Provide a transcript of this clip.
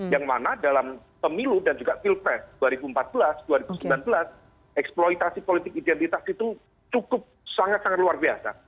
yang mana dalam pemilu dan juga pilpres dua ribu empat belas dua ribu sembilan belas eksploitasi politik identitas itu cukup sangat sangat luar biasa